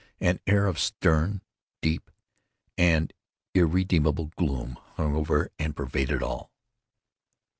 An air of stern, deep, and irredeemable gloom hung over and pervaded all.